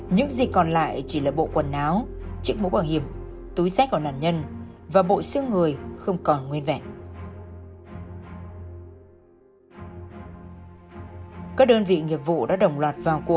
những dịch còn lại là trong dãy cà phê ung tùm và cách xa khu gian cơ